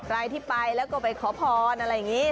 ใครที่ไปแล้วก็ไปขอพรอะไรอย่างนี้